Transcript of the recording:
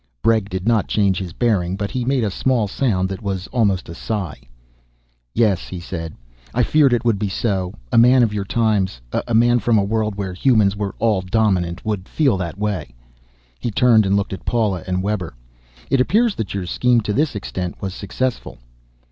Bregg did not change his bearing, but he made a small sound that was almost a sigh. "Yes," he said. "I feared it would be so. A man of your times a man from a world where humans were all dominant would feel that way." He turned and looked at Paula and Webber. "It appears that your scheme, to this extent, was successful."